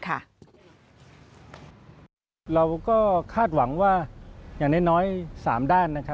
เราก็คาดหวังว่าอย่างน้อย๓ด้าน